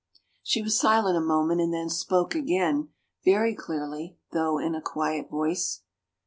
She was silent a moment and then spoke again, very clearly, though in a quiet voice.